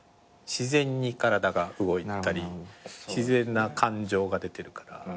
自然に体が動いてたり自然な感情が出てるから。